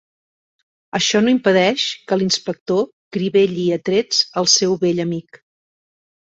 Això no impedeix que l'inspector crivelli a trets el seu vell amic.